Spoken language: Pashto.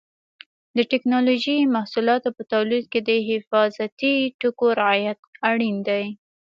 د ټېکنالوجۍ محصولاتو په تولید کې د حفاظتي ټکو رعایت اړین دی.